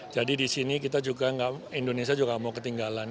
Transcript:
jadi di sini kita juga indonesia juga mau ketinggalan